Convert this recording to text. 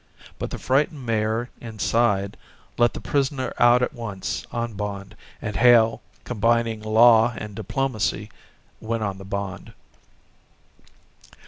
But the frightened mayor inside let the prisoner out at once on bond and Hale, combining law and diplomacy, went on the bond.